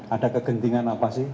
ada kegentingan apa sih